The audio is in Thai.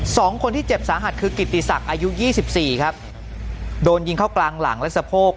สองคนที่เจ็บสาหัสคือกิติศักดิ์อายุยี่สิบสี่ครับโดนยิงเข้ากลางหลังและสะโพก